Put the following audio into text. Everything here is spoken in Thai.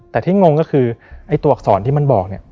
แต่ที่งงก็คือตัวอักษรที่มันบอก